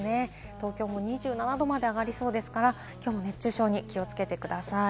東京も２７度まで上がりそうですから今日も熱中症に気をつけてください。